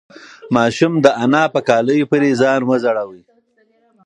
ماشوم د انا په کالیو پورې ځان وځړاوه.